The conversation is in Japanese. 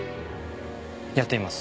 やってみます。